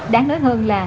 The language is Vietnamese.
đáng nói hơn là